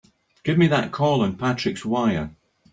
Give me that call on Patrick's wire!